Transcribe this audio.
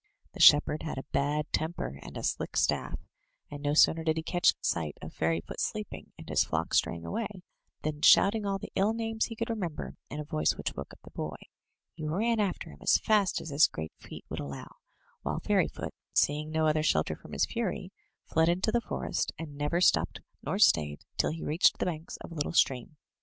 The shepherd had a bad temper and a slick staff, and no sooner did he catch sight of Fairyfoot sleeping, and his flock straying away, than shouting all the ill names he could remember, in a voice which woke up the boy, he ran after him as fast as his great feet would allow; while Fairyfoot, seeing no other shelter from his fury, fled into the forest, and never stopped nor stayed till he reached the banks of a little stream.